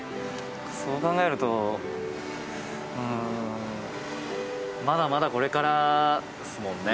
そう考えるとまだまだ、これからですもんね。